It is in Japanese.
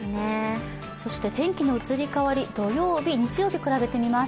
そして天気の移り変わり、土曜日、日曜日と比べてみます。